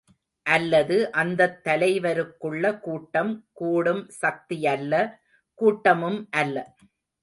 அல்லது அந்தத் தலைவருக்குள்ள கூட்டம் கூட்டும் சக்தியல்ல கூட்டமும் அல்ல.